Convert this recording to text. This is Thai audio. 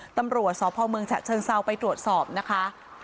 ตำรวจสพเมืองฉะเชิงเซาไปตรวจสอบนะคะ